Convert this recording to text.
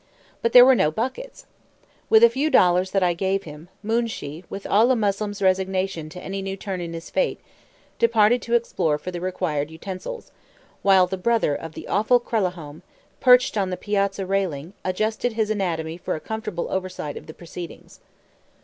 But there were no buckets. With a few dollars that I gave him, Moonshee, with all a Moslem's resignation to any new turn in his fate, departed to explore for the required utensils, while the brother of the awful Kralahome, perched on the piazza railing, adjusted his anatomy for a comfortable oversight of the proceedings.